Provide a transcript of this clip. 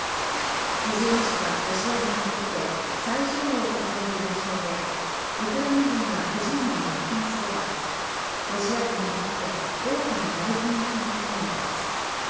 イジューム市はロシア軍にとって最重要とされる要衝でウクライナ軍がイジュームを奪還すればロシア軍にとって大きな打撃になるものとみられます。